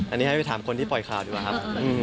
อันนี้ให้ไปถามคนที่ปล่อยข่าวดีกว่าครับ